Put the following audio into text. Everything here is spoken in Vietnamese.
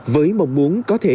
với mong muốn có thể